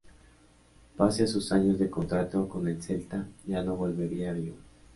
Pese a sus años de contrato con el Celta, ya no volvería a Vigo.